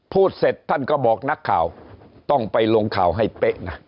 พูดเสร็จท่านก็บอกนักข่าวต้องไปลงข่าวให้เป๊ะนะ